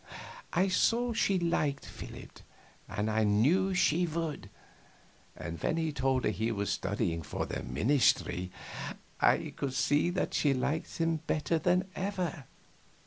I saw she liked Philip, and I knew she would. And when he told her he was studying for the ministry I could see that she liked him better than ever.